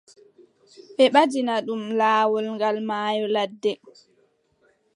Ɓe mbaɗina ɗum, laawol gal maayo ladde.